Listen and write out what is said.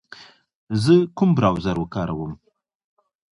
زه کوم براوزر و کاروم